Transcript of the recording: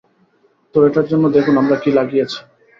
তো, এটার জন্য, দেখুন আমরা কি লাগিয়েছে।